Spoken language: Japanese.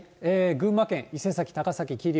群馬県伊勢崎、高崎、桐生。